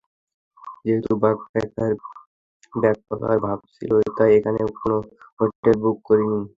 যেহেতু backpacker backpacker ভাব ছিল তাই এখানে কোনো হোটেল বুক করিনি।